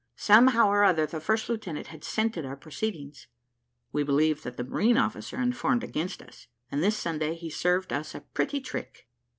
Somehow or other, the first lieutenant had scented our proceedings: we believed that the marine officer informed against us, and this Sunday he served us a pretty trick.